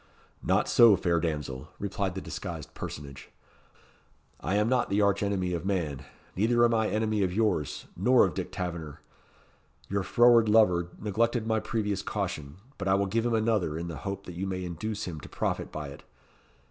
"Not so, fair damsel," replied the disguised personage; "I am not the arch enemy of man, neither am I enemy of yours, nor of Dick Taverner. Your froward lover neglected my previous caution, but I will give him another, in the hope that you may induce him to profit by it.